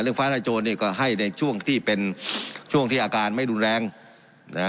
ฟ้าลายโจรเนี่ยก็ให้ในช่วงที่เป็นช่วงที่อาการไม่รุนแรงนะ